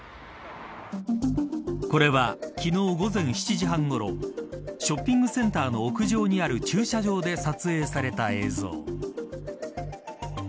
これは昨日、午前７時半ごろショッピングセンターの屋上にある駐車場で撮影された映像。